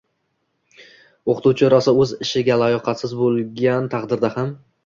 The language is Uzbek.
o‘qituvchi rosa o‘z ishiga layoqatsiz bo‘lgan taqdirda ham